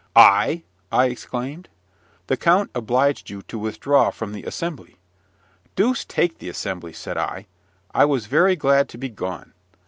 "I!" I exclaimed. "The count obliged you to withdraw from the assembly!" "Deuce take the assembly!" said I. "I was very glad to be gone."